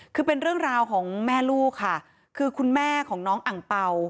คือเป็นเรื่องราวของแม่ลูกค่ะคือคุณแม่ของน้องอังเป่า